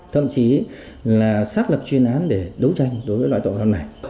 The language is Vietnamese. thậm chí là xác lập chuyên án để đấu tranh đối với loại tội phạm này